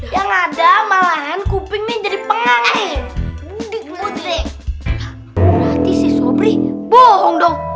yang ada malahan kuping menjadi penganggih mudik mudik berarti si sobri bohong dong